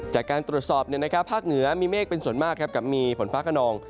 จากการตรวจสอบภาคเหนือมีเมฆเป็นส่วนมากกับมีฝนฟ้าขนอง